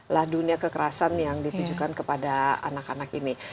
lah dunia kekerasan yang ditujukan kepada anak anak ini